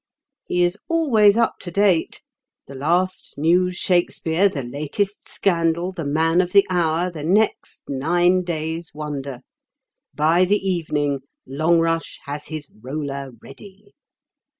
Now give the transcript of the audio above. He is always up to date. The last new Shakespeare, the latest scandal, the man of the hour, the next nine days' wonder—by the evening Longrush has his roller ready.